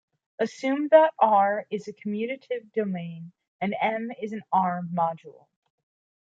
Assume that "R" is a commutative domain and "M" is an "R"-module.